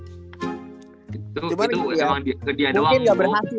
cuman itu ya mungkin ga berhasil bo